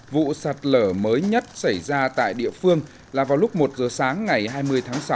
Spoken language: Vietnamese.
vụ sạt lở mới nhất xảy ra tại địa phương là vào lúc một giờ sáng ngày hai mươi tháng sáu